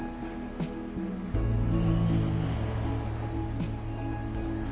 うん。